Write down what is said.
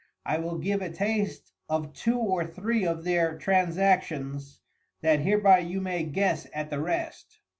I will give a taste of two or three of their Transactions, that hereby you may guess at the rest.